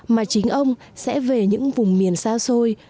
mà chính ông sẽ về những vùng miền xa xôi